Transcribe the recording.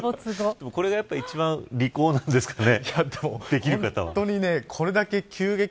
これが一番利口なんですかね。